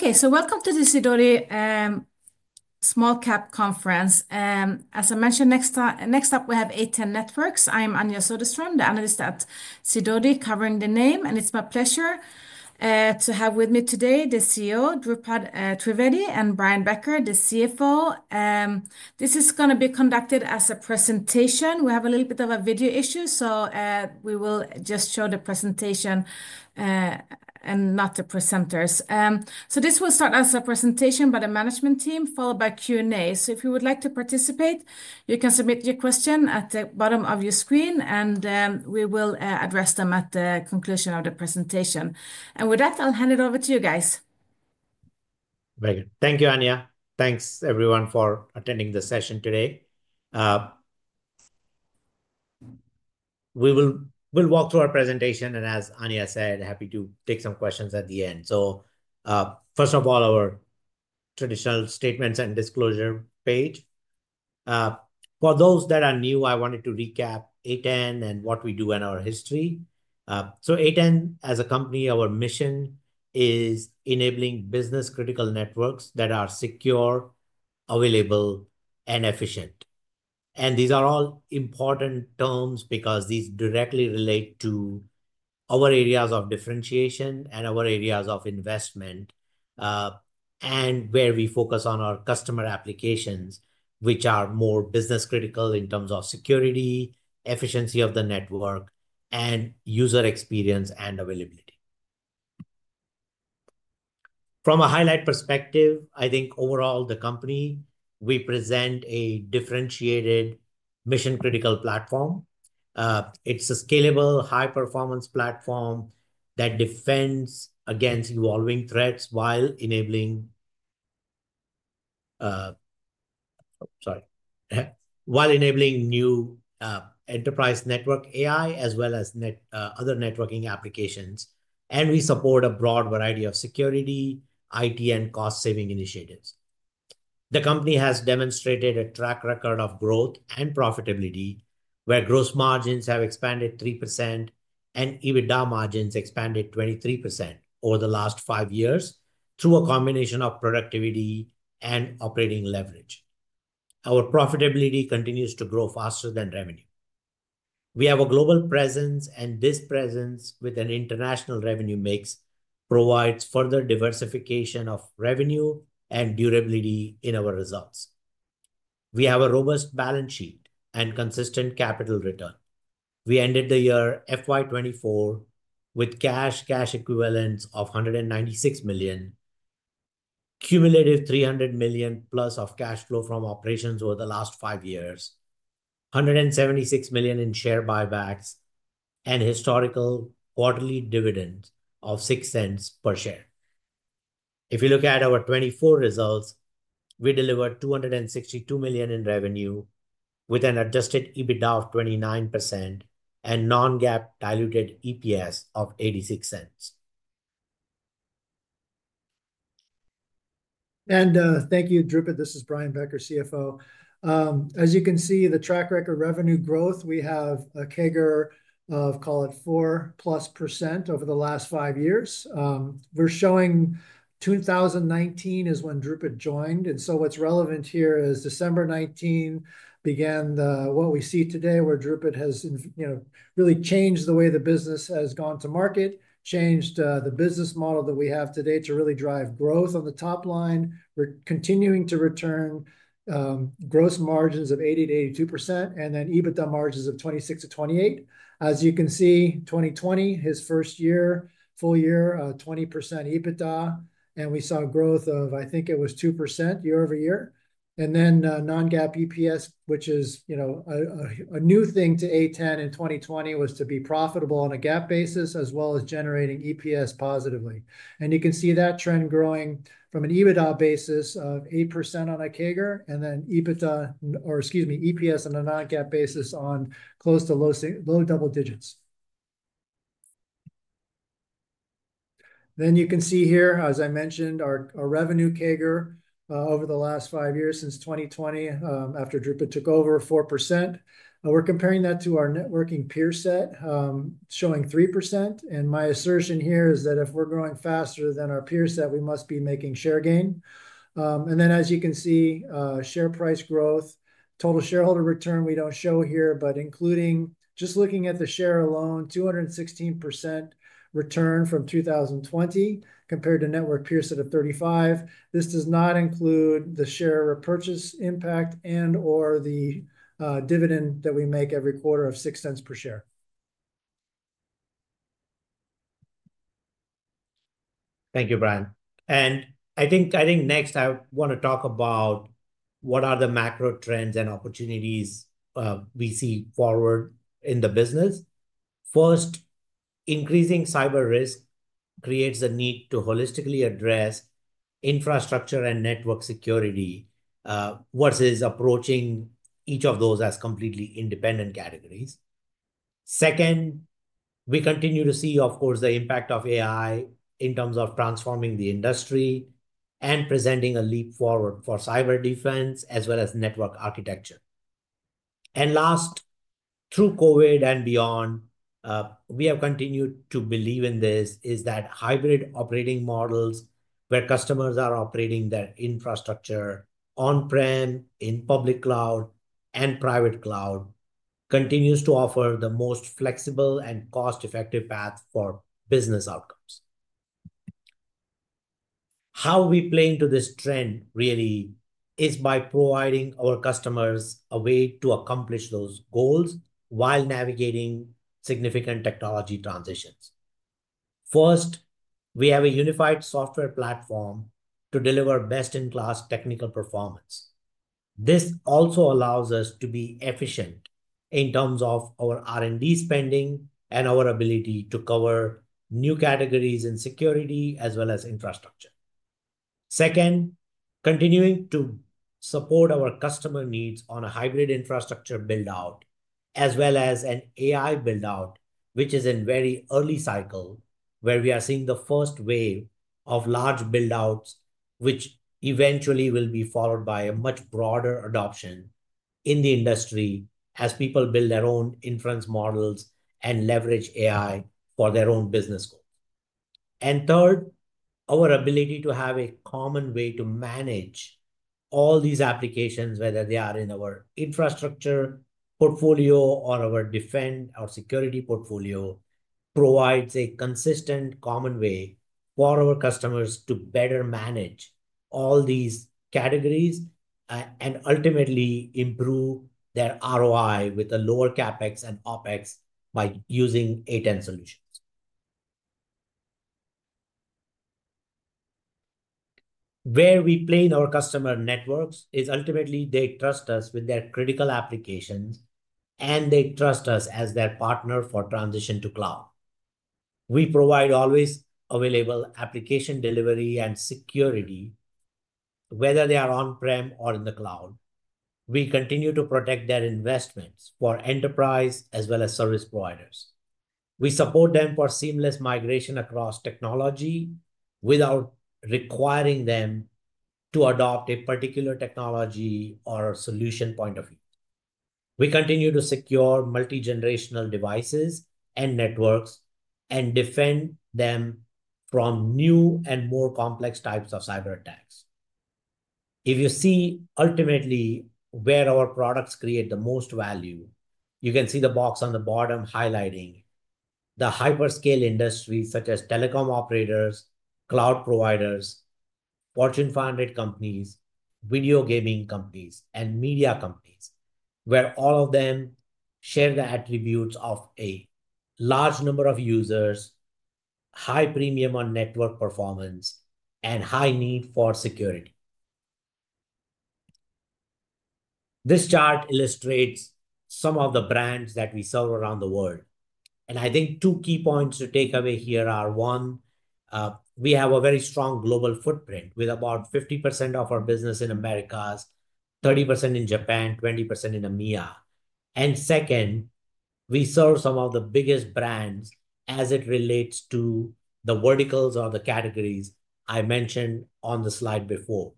Okay, welcome to the SIDOTI Small-Cap Conference. As I mentioned, next up we have A10 Networks. I'm Anja Soderstrom, the analyst at SIDOTI covering the name, and it's my pleasure to have with me today the CEO, Dhrupad Trivedi, and Brian Becker, the CFO. This is going to be conducted as a presentation. We have a little bit of a video issue, so we will just show the presentation and not the presenters. This will start as a presentation by the management team, followed by Q&A. If you would like to participate, you can submit your question at the bottom of your screen, and we will address them at the conclusion of the presentation. With that, I'll hand it over to you guys. Thank you, Anja. Thanks, everyone, for attending the session today. We will walk through our presentation, and as Anja said, happy to take some questions at the end. First of all, our traditional statements and disclosure page. For those that are new, I wanted to recap A10 and what we do and our history. A10, as a company, our mission is enabling business-critical networks that are secure, available, and efficient. These are all important terms because these directly relate to our areas of differentiation and our areas of investment, and where we focus on our customer applications, which are more business-critical in terms of security, efficiency of the network, and user experience and availability. From a highlight perspective, I think overall the company, we present a differentiated mission-critical platform. It's a scalable, high-performance platform that defends against evolving threats while enabling, sorry, while enabling new, enterprise network AI as well as other networking applications. We support a broad variety of security, IT, and cost-saving initiatives. The company has demonstrated a track record of growth and profitability, where gross margins have expanded 3% and EBITDA margins expanded 23% over the last five years through a combination of productivity and operating leverage. Our profitability continues to grow faster than revenue. We have a global presence, and this presence with an international revenue mix provides further diversification of revenue and durability in our results. We have a robust balance sheet and consistent capital return. We ended the year FY 2024 with cash and cash equivalents of $196 million, cumulative $300 million-plus of cash flow from operations over the last five years, $176 million in share buybacks, and historical quarterly dividends of $0.06 per share. If you look at our 2024 results, we delivered $262 million in revenue with an adjusted EBITDA of 29% and non-GAAP diluted EPS of $0.86. Thank you, Dhrupad. This is Brian Becker, CFO. As you can see, the track record revenue growth, we have a CAGR of, call it, 4%+ over the last five years. We're showing 2019 is when Dhrupad joined, and so what's relevant here is December 2019 began the what we see today, where Dhrupad has, you know, really changed the way the business has gone to market, changed the business model that we have today to really drive growth on the top line. We're continuing to return gross margins of 80%-82%, and then EBITDA margins of 26%-28%. As you can see, 2020, his first year, full year, 20% EBITDA, and we saw growth of, I think it was 2% year over year. Non-GAAP EPS, which is, you know, a new thing to A10 in 2020, was to be profitable on a GAAP basis as well as generating EPS positively. You can see that trend growing from an EBITDA basis of 8% on a CAGR and then EPS on a non-GAAP basis on close to low, low double digits. You can see here, as I mentioned, our revenue CAGR, over the last five years since 2020, after Dhrupad took over, 4%. We're comparing that to our networking peer set, showing 3%, and my assertion here is that if we're growing faster than our peer set, we must be making share gain. and then, as you can see, share price growth, total shareholder return we do not show here, but including just looking at the share alone, 216% return from 2020 compared to network peer set of 35%. This does not include the share repurchase impact and/or the dividend that we make every quarter of $0.06 per share. Thank you, Brian. I think next I want to talk about what are the macro trends and opportunities we see forward in the business. First, increasing cyber risk creates a need to holistically address infrastructure and network security, versus approaching each of those as completely independent categories. Second, we continue to see, of course, the impact of AI in terms of transforming the industry and presenting a leap forward for cyber defense as well as network architecture. Last, through COVID and beyond, we have continued to believe in this is that hybrid operating models where customers are operating their infrastructure on-prem, in public cloud, and private cloud continues to offer the most flexible and cost-effective path for business outcomes. How we play into this trend really is by providing our customers a way to accomplish those goals while navigating significant technology transitions. First, we have a unified software platform to deliver best-in-class technical performance. This also allows us to be efficient in terms of our R&D spending and our ability to cover new categories in security as well as infrastructure. Second, continuing to support our customer needs on a hybrid infrastructure build-out as well as an AI build-out, which is in very early cycle where we are seeing the first wave of large build-outs, which eventually will be followed by a much broader adoption in the industry as people build their own inference models and leverage AI for their own business goals. Third, our ability to have a common way to manage all these applications, whether they are in our infrastructure portfolio or our defense or security portfolio, provides a consistent common way for our customers to better manage all these categories, and ultimately improve their ROI with the lower CapEx and OpEx by using A10 solutions. Where we play in our customer networks is ultimately they trust us with their critical applications, and they trust us as their partner for transition to cloud. We provide always available application delivery and security, whether they are on-prem or in the cloud. We continue to protect their investments for enterprise as well as service providers. We support them for seamless migration across technology without requiring them to adopt a particular technology or a solution point of view. We continue to secure multi-generational devices and networks and defend them from new and more complex types of cyber attacks. If you see ultimately where our products create the most value, you can see the box on the bottom highlighting the hyperscale industry such as telecom operators, cloud providers, Fortune 500 companies, video gaming companies, and media companies, where all of them share the attributes of a large number of users, high premium on network performance, and high need for security. This chart illustrates some of the brands that we serve around the world. I think two key points to take away here are one, we have a very strong global footprint with about 50% of our business in Americas, 30% in Japan, 20% in EMEA. We serve some of the biggest brands as it relates to the verticals or the categories I mentioned on the slide before.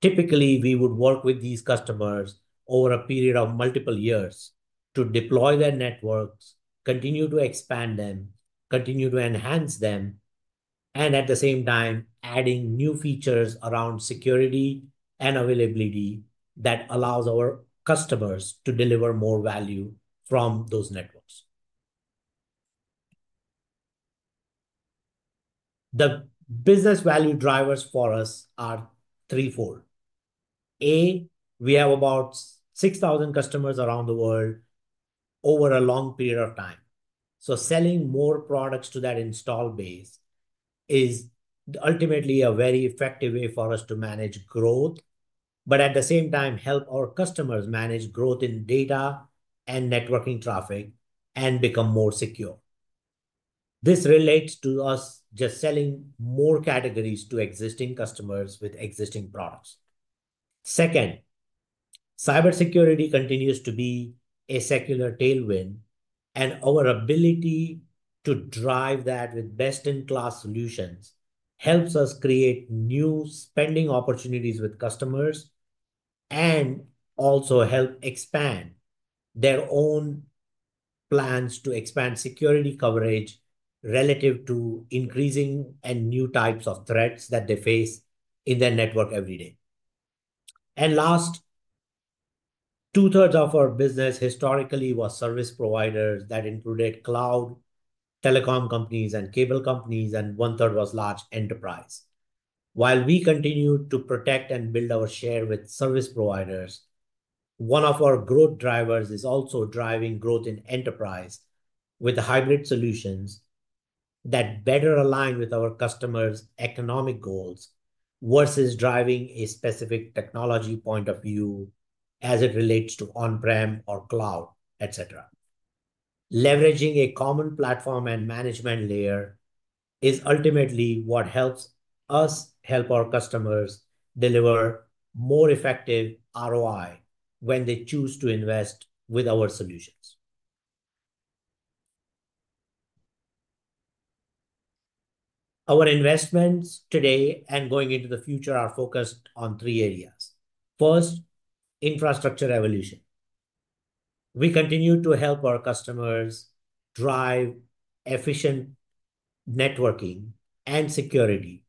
Typically, we would work with these customers over a period of multiple years to deploy their networks, continue to expand them, continue to enhance them, and at the same time, adding new features around security and availability that allows our customers to deliver more value from those networks. The business value drivers for us are threefold. A, we have about 6,000 customers around the world over a long period of time. Selling more products to that install base is ultimately a very effective way for us to manage growth, but at the same time, help our customers manage growth in data and networking traffic and become more secure. This relates to us just selling more categories to existing customers with existing products. Second, cybersecurity continues to be a secular tailwind, and our ability to drive that with best-in-class solutions helps us create new spending opportunities with customers and also help expand their own plans to expand security coverage relative to increasing and new types of threats that they face in their network every day. Last, two-thirds of our business historically was service providers that included cloud, telecom companies, and cable companies, and one-third was large enterprise. While we continue to protect and build our share with service providers, one of our growth drivers is also driving growth in enterprise with hybrid solutions that better align with our customers' economic goals versus driving a specific technology point of view as it relates to on-prem or cloud, et cetera. Leveraging a common platform and management layer is ultimately what helps us help our customers deliver more effective ROI when they choose to invest with our solutions. Our investments today and going into the future are focused on three areas. First, infrastructure evolution. We continue to help our customers drive efficient networking and security,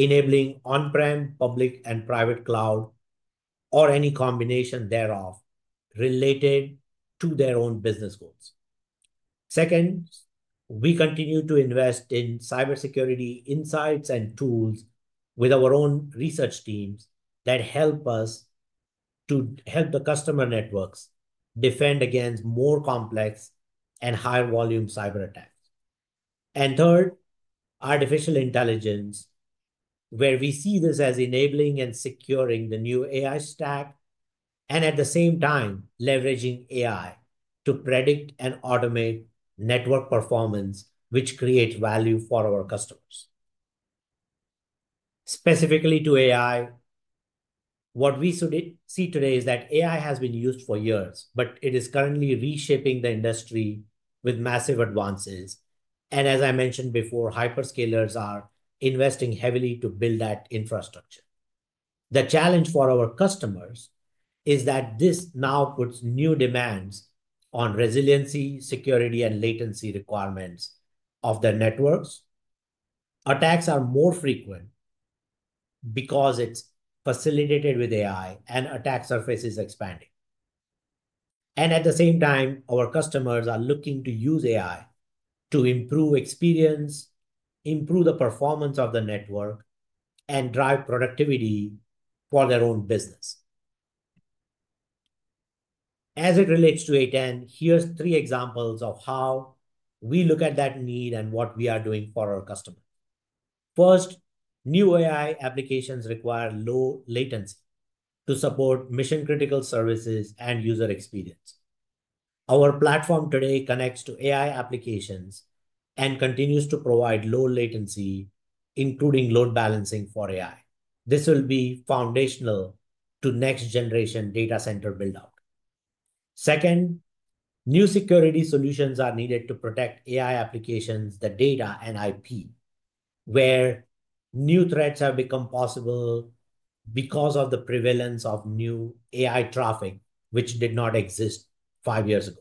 enabling on-prem, public, and private cloud, or any combination thereof related to their own business goals. Second, we continue to invest in cybersecurity insights and tools with our own research teams that help us to help the customer networks defend against more complex and higher volume cyber attacks. Third, artificial intelligence, where we see this as enabling and securing the new AI stack and at the same time leveraging AI to predict and automate network performance, which creates value for our customers. Specifically to AI, what we should see today is that AI has been used for years, but it is currently reshaping the industry with massive advances. As I mentioned before, hyperscalers are investing heavily to build that infrastructure. The challenge for our customers is that this now puts new demands on resiliency, security, and latency requirements of their networks. Attacks are more frequent because it is facilitated with AI and attack surface is expanding. At the same time, our customers are looking to use AI to improve experience, improve the performance of the network, and drive productivity for their own business. As it relates to A10, here are three examples of how we look at that need and what we are doing for our customers. First, new AI applications require low latency to support mission-critical services and user experience. Our platform today connects to AI applications and continues to provide low latency, including load balancing for AI. This will be foundational to next-generation data center build-out. Second, new security solutions are needed to protect AI applications, the data and IP, where new threats have become possible because of the prevalence of new AI traffic, which did not exist five years ago.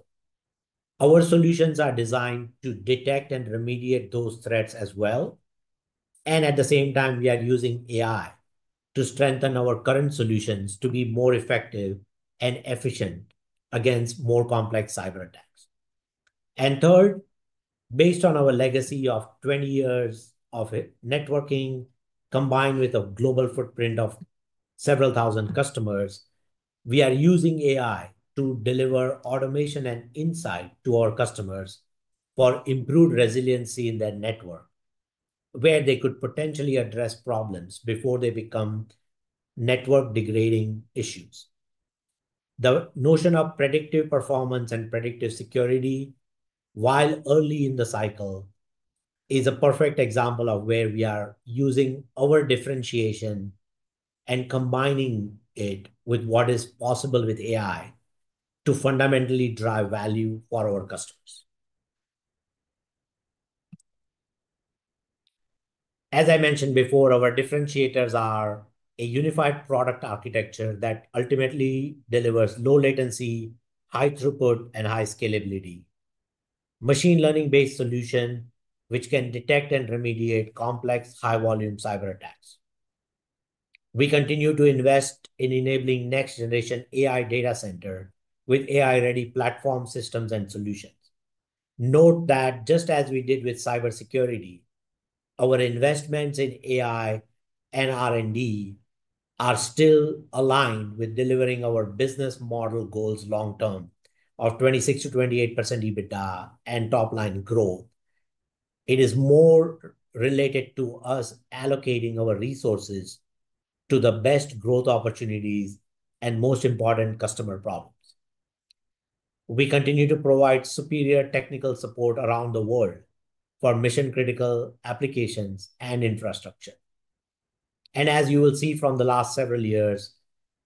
Our solutions are designed to detect and remediate those threats as well. At the same time, we are using AI to strengthen our current solutions to be more effective and efficient against more complex cyber attacks. Third, based on our legacy of 20 years of networking combined with a global footprint of several thousand customers, we are using AI to deliver automation and insight to our customers for improved resiliency in their network, where they could potentially address problems before they become network degrading issues. The notion of predictive performance and predictive security while early in the cycle is a perfect example of where we are using our differentiation and combining it with what is possible with AI to fundamentally drive value for our customers. As I mentioned before, our differentiators are a unified product architecture that ultimately delivers low latency, high throughput, and high scalability, machine learning-based solution, which can detect and remediate complex high-volume cyber attacks. We continue to invest in enabling next-generation AI data center with AI-ready platform systems and solutions. Note that just as we did with cybersecurity, our investments in AI and R&D are still aligned with delivering our business model goals long-term of 26%-28% EBITDA and top-line growth. It is more related to us allocating our resources to the best growth opportunities and most important customer problems. We continue to provide superior technical support around the world for mission-critical applications and infrastructure. As you will see from the last several years,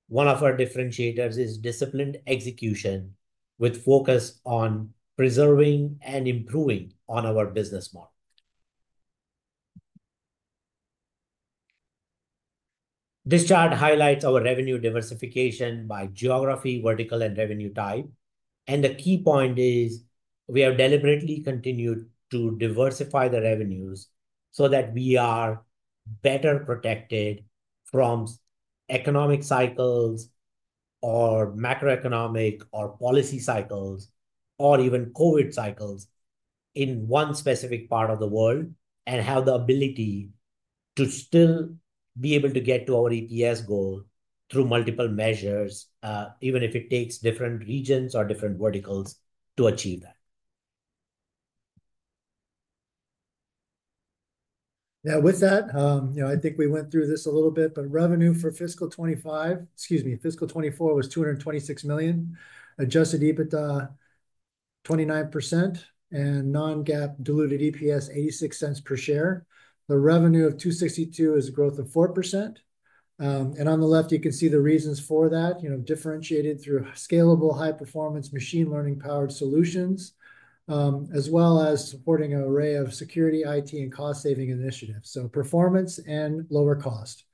one of our differentiators is disciplined execution with focus on preserving and improving on our business model. This chart highlights our revenue diversification by geography, vertical, and revenue type. The key point is we have deliberately continued to diversify the revenues so that we are better protected from economic cycles or macroeconomic or policy cycles or even COVID cycles in one specific part of the world and have the ability to still be able to get to our EPS goal through multiple measures, even if it takes different regions or different verticals to achieve that. Now, with that, you know, I think we went through this a little bit, but revenue for fiscal 2024 was $226 million, adjusted EBITDA 29%, and non-GAAP diluted EPS $0.86 per share. The revenue of $262 million is a growth of 4%. On the left, you can see the reasons for that, you know, differentiated through scalable high-performance machine learning-powered solutions, as well as supporting an array of security, IT, and cost-saving initiatives. Performance and lower cost.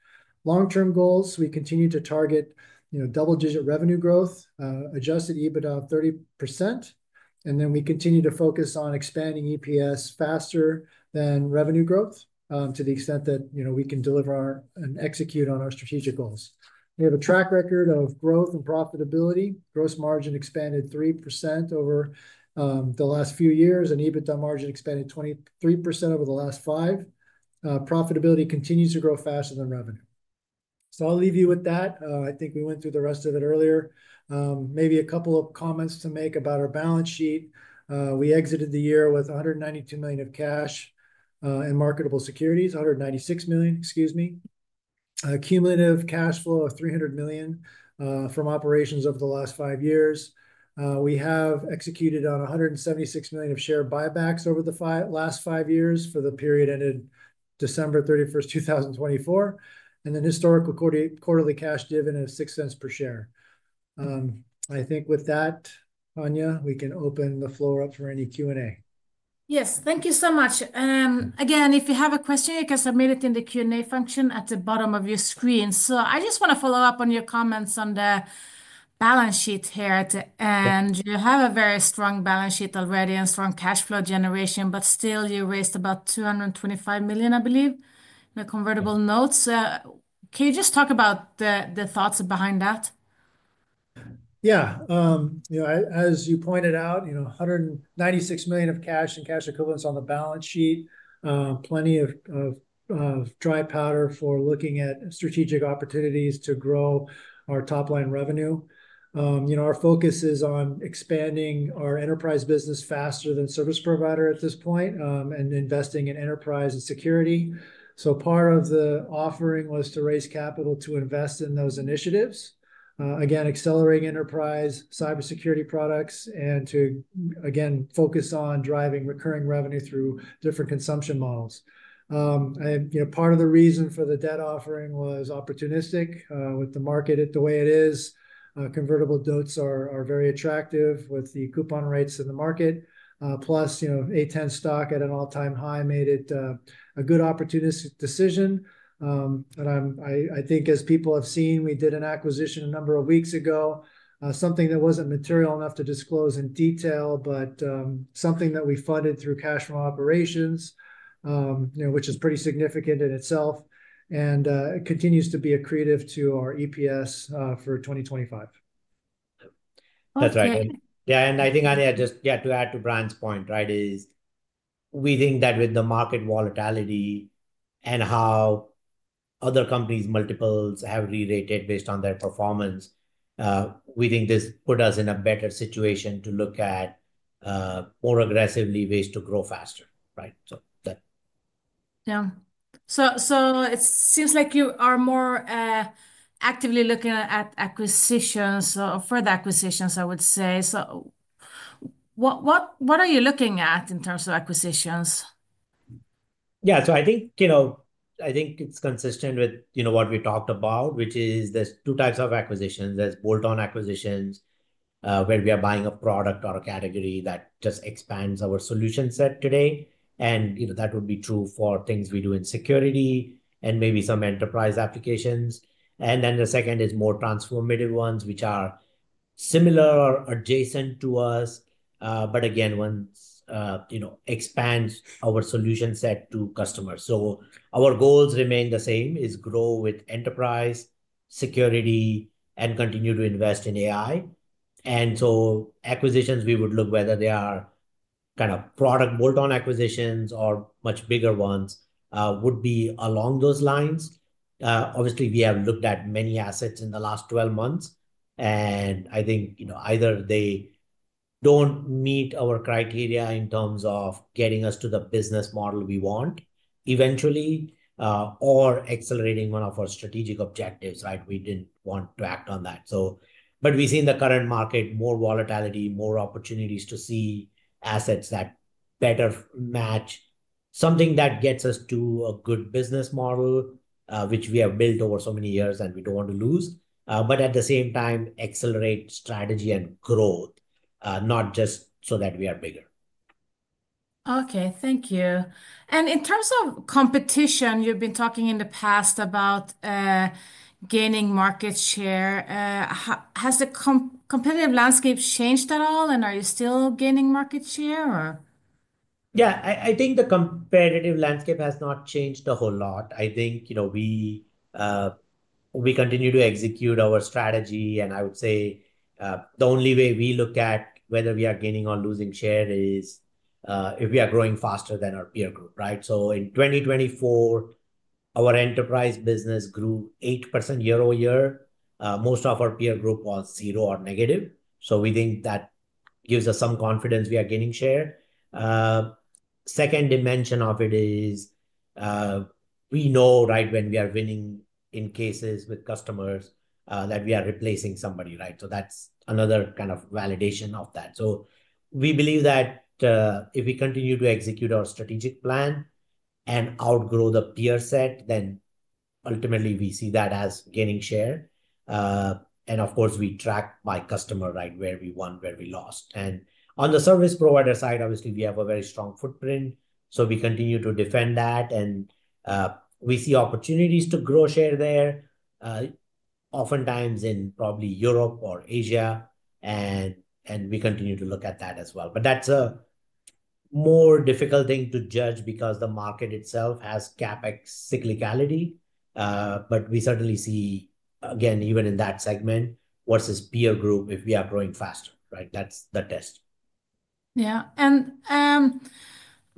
Long-term goals, we continue to target, you know, double-digit revenue growth, adjusted EBITDA of 30%. We continue to focus on expanding EPS faster than revenue growth to the extent that, you know, we can deliver and execute on our strategic goals. We have a track record of growth and profitability. Gross margin expanded 3% over the last few years and EBITDA margin expanded 23% over the last five. Profitability continues to grow faster than revenue. I'll leave you with that. I think we went through the rest of it earlier. Maybe a couple of comments to make about our balance sheet. We exited the year with $192 million of cash and marketable securities, $196 million, excuse me. Cumulative cash flow of $300 million from operations over the last five years. We have executed on $176 million of share buybacks over the last five years for the period ended December 31st, 2024. Historical quarterly cash dividend of $0.06 per share. I think with that, Anja, we can open the floor up for any Q&A. Yes, thank you so much. If you have a question, you can submit it in the Q&A function at the bottom of your screen. I just want to follow up on your comments on the balance sheet here. You have a very strong balance sheet already and strong cash flow generation, but still you raised about $225 million, I believe, in the convertible notes. Can you just talk about the thoughts behind that? Yeah, you know, as you pointed out, $196 million of cash and cash equivalents on the balance sheet, plenty of dry powder for looking at strategic opportunities to grow our top-line revenue. You know, our focus is on expanding our enterprise business faster than service provider at this point and investing in enterprise and security. Part of the offering was to raise capital to invest in those initiatives, again, accelerating enterprise cybersecurity products and to, again, focus on driving recurring revenue through different consumption models. You know, part of the reason for the debt offering was opportunistic with the market the way it is. Convertible notes are very attractive with the coupon rates in the market. Plus, you know, A10 stock at an all-time high made it a good opportunistic decision. I think as people have seen, we did an acquisition a number of weeks ago, something that wasn't material enough to disclose in detail, but something that we funded through cash from operations, you know, which is pretty significant in itself. It continues to be accretive to our EPS for 2025. That's right. Yeah. I think Anja, just yeah, to add to Brian's point, right, is we think that with the market volatility and how other companies' multiples have re-rated based on their performance, we think this puts us in a better situation to look at more aggressively ways to grow faster, right? Yeah. It seems like you are more actively looking at acquisitions or further acquisitions, I would say. What are you looking at in terms of acquisitions? Yeah. I think, you know, I think it's consistent with, you know, what we talked about, which is there's two types of acquisitions. There's bolt-on acquisitions where we are buying a product or a category that just expands our solution set today. That would be true for things we do in security and maybe some enterprise applications. The second is more transformative ones, which are similar or adjacent to us, but again, once, you know, expands our solution set to customers. Our goals remain the same: grow with enterprise, security, and continue to invest in AI. Acquisitions, we would look whether they are kind of product bolt-on acquisitions or much bigger ones would be along those lines. Obviously, we have looked at many assets in the last 12 months. I think, you know, either they do not meet our criteria in terms of getting us to the business model we want eventually or accelerating one of our strategic objectives, right? We did not want to act on that. We see in the current market more volatility, more opportunities to see assets that better match something that gets us to a good business model, which we have built over so many years and we do not want to lose, but at the same time, accelerate strategy and growth, not just so that we are bigger. Okay. Thank you. In terms of competition, you have been talking in the past about gaining market share. Has the competitive landscape changed at all? Are you still gaining market share or? Yeah, I think the competitive landscape has not changed a whole lot. I think, you know, we continue to execute our strategy. I would say the only way we look at whether we are gaining or losing share is if we are growing faster than our peer group, right? In 2024, our enterprise business grew 8% year over year. Most of our peer group was zero or negative. We think that gives us some confidence we are gaining share. The second dimension of it is we know, right, when we are winning in cases with customers that we are replacing somebody, right? That is another kind of validation of that. We believe that if we continue to execute our strategic plan and outgrow the peer set, then ultimately we see that as gaining share. Of course, we track by customer, right, where we won, where we lost. On the service provider side, obviously, we have a very strong footprint. We continue to defend that. We see opportunities to grow share there, oftentimes in probably Europe or Asia. We continue to look at that as well. That is a more difficult thing to judge because the market itself has gap cyclicality. We certainly see, again, even in that segment versus peer group, if we are growing faster, right? That is the test. Yeah. Two-thirds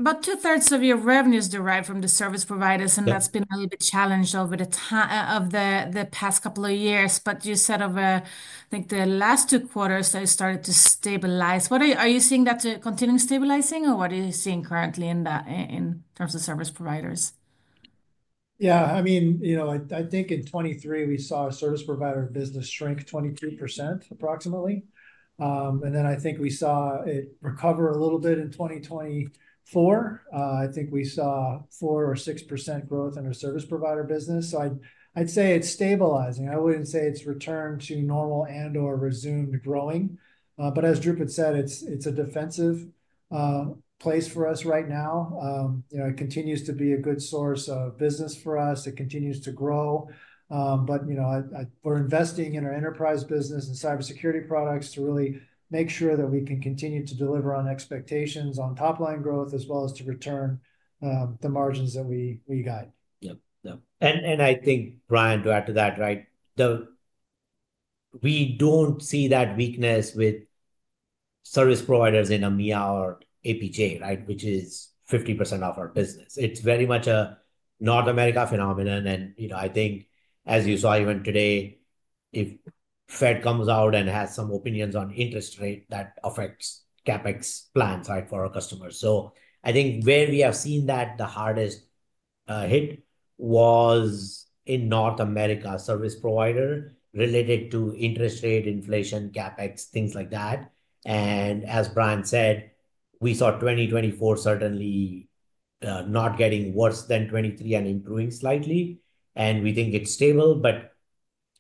of your revenue is derived from the service providers. That has been a little bit challenged over the time of the past couple of years. You said over, I think, the last two quarters, they started to stabilize. What are you seeing, that continuing stabilizing, or what are you seeing currently in that in terms of service providers? Yeah. I mean, you know, I think in 2023, we saw a service provider business shrink 22% approximately. I think we saw it recover a little bit in 2024. I think we saw 4% or 6% growth in our service provider business. I would say it is stabilizing. I wouldn't say it's returned to normal and/or resumed growing. As Dhrupad said, it's a defensive place for us right now. You know, it continues to be a good source of business for us. It continues to grow. You know, we're investing in our enterprise business and cybersecurity products to really make sure that we can continue to deliver on expectations on top-line growth as well as to return the margins that we guide. Yep. Yep. I think, Brian, to add to that, right, we don't see that weakness with service providers in EMEA or APJ, right, which is 50% of our business. It's very much a North America phenomenon. You know, I think, as you saw even today, if Fed comes out and has some opinions on interest rate, that affects CapEx plans, right, for our customers. I think where we have seen that the hardest hit was in North America service provider related to interest rate, inflation, CapEx, things like that. As Brian said, we saw 2024 certainly not getting worse than 2023 and improving slightly. We think it's stable,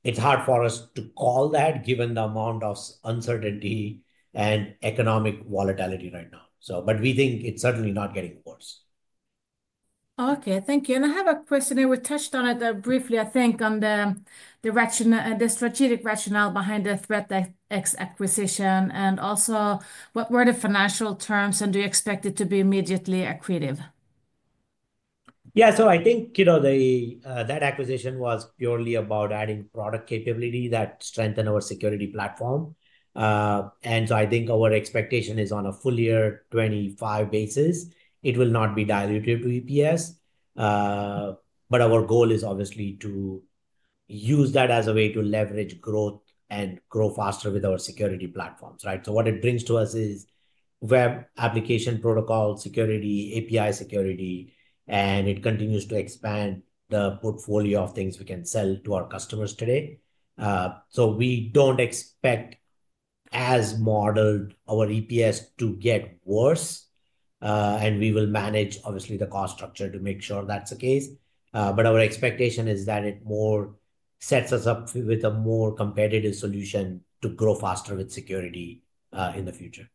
but it's hard for us to call that given the amount of uncertainty and economic volatility right now. We think it's certainly not getting worse. Okay. Thank you. I have a question. We touched on it briefly, I think, on the strategic rationale behind the ThreatX acquisition. Also, what were the financial terms? Do you expect it to be immediately accretive? Yeah. I think, you know, that acquisition was purely about adding product capability that strengthen our security platform. I think our expectation is on a full year 2025 basis, it will not be diluted to EPS. Our goal is obviously to use that as a way to leverage growth and grow faster with our security platforms, right? What it brings to us is web application protocol security, API security, and it continues to expand the portfolio of things we can sell to our customers today. We do not expect as modeled our EPS to get worse. We will manage, obviously, the cost structure to make sure that is the case. Our expectation is that it more sets us up with a more competitive solution to grow faster with security in the future.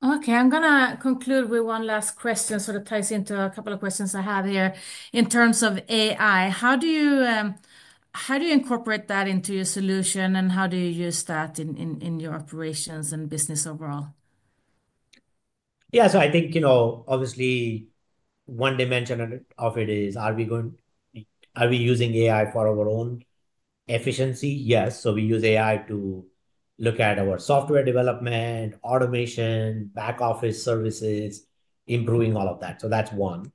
Okay. I am going to conclude with one last question that sort of ties into a couple of questions I have here. In terms of AI, how do you incorporate that into your solution and how do you use that in your operations and business overall? Yeah. I think, you know, obviously, one dimension of it is, are we going, are we using AI for our own efficiency? Yes. We use AI to look at our software development, automation, back office services, improving all of that. That's one.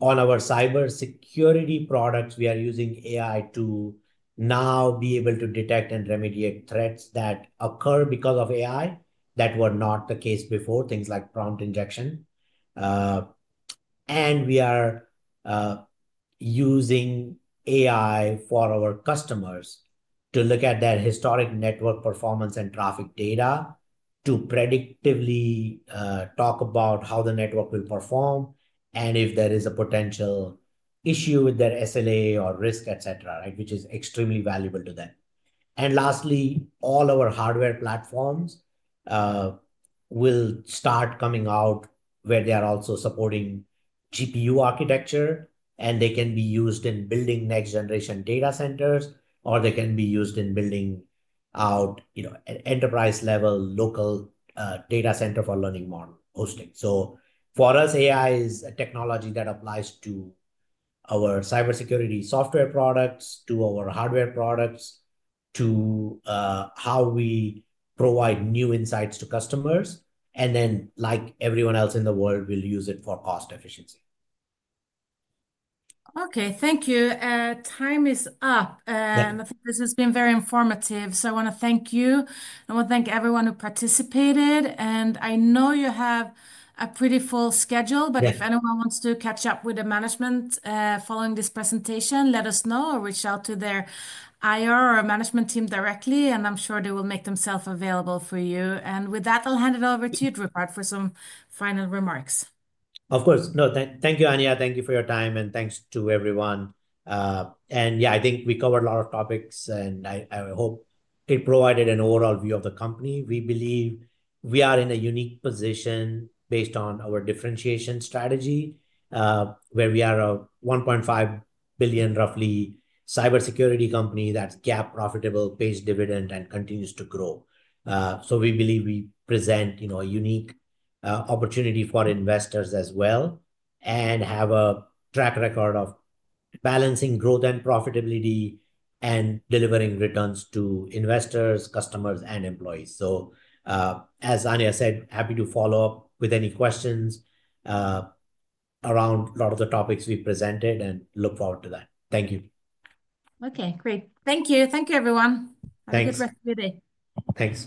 On our cybersecurity products, we are using AI to now be able to detect and remediate threats that occur because of AI that were not the case before, things like prompt injection. We are using AI for our customers to look at their historic network performance and traffic data to predictively talk about how the network will perform and if there is a potential issue with their SLA or risk, et cetera, right, which is extremely valuable to them. Lastly, all our hardware platforms will start coming out where they are also supporting GPU architecture and they can be used in building next-generation data centers or they can be used in building out, you know, enterprise-level local data center for learning model hosting. For us, AI is a technology that applies to our cybersecurity software products, to our hardware products, to how we provide new insights to customers. Like everyone else in the world, we'll use it for cost efficiency. Okay. Thank you. Time is up. This has been very informative. I want to thank you. I want to thank everyone who participated. I know you have a pretty full schedule, but if anyone wants to catch up with the management following this presentation, let us know or reach out to their IR or management team directly. I'm sure they will make themselves available for you. With that, I'll hand it over to you, Dhrupad, for some final remarks. Of course. No, thank you, Anja. Thank you for your time. Thanks to everyone. Yeah, I think we covered a lot of topics and I hope it provided an overall view of the company. We believe we are in a unique position based on our differentiation strategy where we are a $1.5 billion roughly cybersecurity company that's GAAP profitable, pays dividend, and continues to grow. We believe we present, you know, a unique opportunity for investors as well and have a track record of balancing growth and profitability and delivering returns to investors, customers, and employees. As Anja said, happy to follow up with any questions around a lot of the topics we presented and look forward to that. Thank you. Okay. Great. Thank you. Thank you, everyone. Thanks. Have a good rest of your day. Thanks.